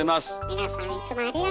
皆さんいつもありがと！